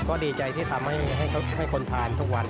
ก็ดีใจที่ทำให้คนทานทุกวัน